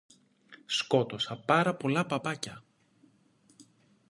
Σκότωσα πάρα πολλά παπάκια!